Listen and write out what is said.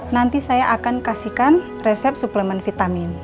nanti saya akan kasihkan resep suplemen vitamin